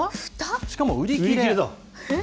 しかも売り切れだ。